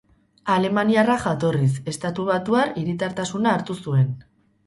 Alemaniarra jatorriz, estatubatuar hiritartasuna hartu zuen.